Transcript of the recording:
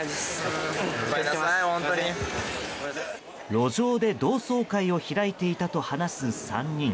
路上で同窓会を開いていたと話す３人。